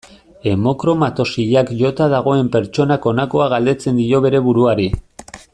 Hemokromatosiak jota dagoen pertsonak honakoa galdetzen dio bere buruari.